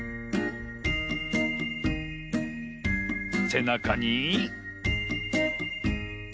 せなかに。